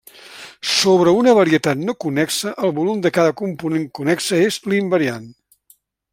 Sobre una varietat no connexa, el volum de cada component connexa és l'invariant.